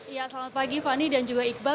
ya selamat pagi fani dan juga iqbal